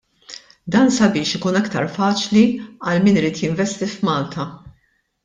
Dan sabiex ikun iktar faċli għal min irid jinvesti f'Malta.